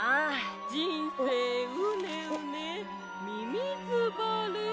じんせいうねうねみみずばれ！